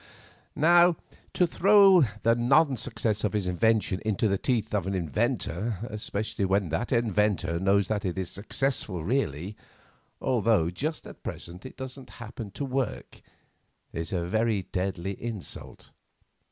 Now, to throw the non success of his invention into the teeth of the inventor, especially when that inventor knows that it is successful really, although just at present it does not happen to work, is a very deadly insult.